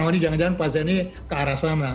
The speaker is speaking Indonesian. oh ini jangan jangan pasiennya ke arah sana